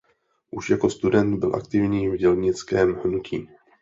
Už jako student byl aktivní v dělnickém hnutí.